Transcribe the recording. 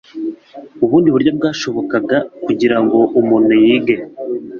Ubundi buryo bwashobokaga kugira ngo umuntu yige